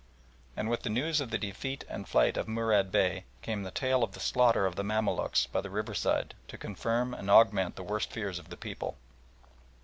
And with the news of the defeat and flight of Murad Bey came the tale of the slaughter of the Mamaluks by the riverside to confirm and augment the worst fears of the people.